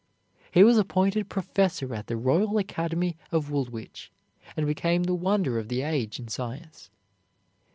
He was appointed professor at the Royal Academy of Woolwich, and became the wonder of the age in science.